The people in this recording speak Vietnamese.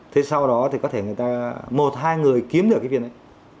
thế sau đó thì có thể người ta một hai người kiếm được cái viên đấy